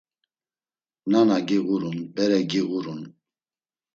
Nana giğurun, bere giğurun!